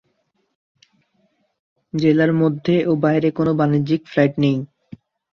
জেলার মধ্যে ও বাইরে কোনো বাণিজ্যিক ফ্লাইট নেই।